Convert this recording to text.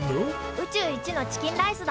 宇宙一のチキンライスだ！